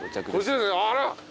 あら。